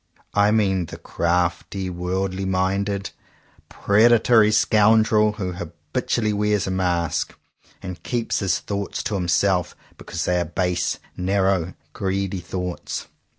I mean the crafty, worldly minded, preda tory scoundrel, who habitually wears a mask, and keeps his thoughts to himself because they are base, narrow, greedy thoughts.